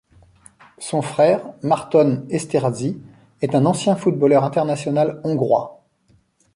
Son frère, Márton Esterházy, est un ancien footballeur international hongrois.